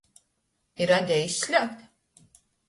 I radeju izslēgt?